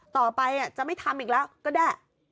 ต่อไปจะไม่ทำอีกแล้วก็แด้